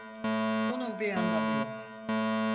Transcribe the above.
Bunun bir anlamı yok.